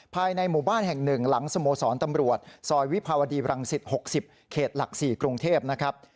ภายในหมู่บ้านแห่ง๑หลังสโมสรตำรวจซอยวิภาวดีรังสิต๖๐เขตหลัก๔กรุงเทพนะครับ